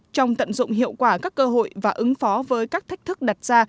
trong tận dụng hiệu quả các cơ hội và ứng phó với các thách thức đặt ra